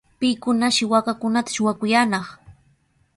¿Pikunashi waakankunata shuwakuyaanaq?